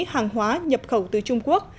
hàng hóa nhập khẩu từ trung quốc